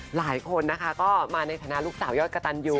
หลายคนนะคะก็มาในฐานะลูกสาวยอดกระตันยู